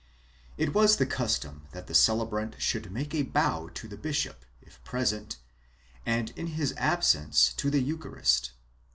It was the custom that the celebrant should make a bow to the bishop, if present, and in his absence, to the Eucharist.